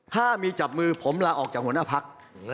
ถ้ามีจับมือผมลาออกจากหัวหน้าพัก